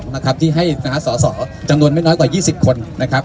นะครับที่ให้นะฮะสอสอจำนวนไม่น้อยกว่ายี่สิบคนนะครับ